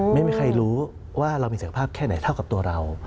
ไม่มีใครรู้ว่าเรามีศักยภาพแค่ไหนเท่ากับตัวเรา